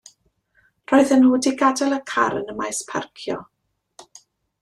Roedden nhw wedi gadael y car yn y maes parcio.